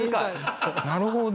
なるほど。